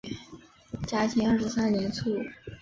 嘉庆二十三年卒。